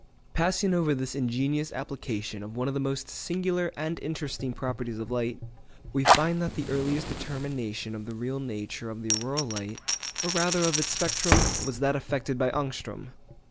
Passing over this ingenious application of one of the most singular and interesting properties of light, we find that the earliest determination of the real nature of the auroral light—or rather of its spectrum—was that effected by Ångström.